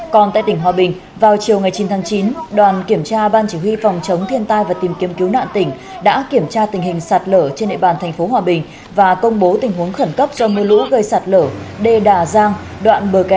còn tại tỉnh hòa bình vào chiều ngày chín tháng chín đoàn kiểm tra ban chỉ huy phòng chống thiên tai và tìm kiếm cứu nạn tỉnh đã kiểm tra tình hình sạt lở trên địa bàn thành phố hòa bình và công bố tình huống khẩn cấp cho mưa lũ gây sạt lở